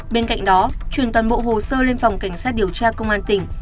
bên cạnh đó truyền toàn bộ hồ sơ lên phòng cảnh sát điều tra công an tỉnh